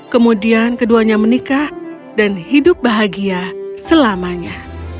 kemudian keduanya menikah dan hidup bahagia selamanya